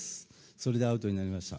それでアウトになりました。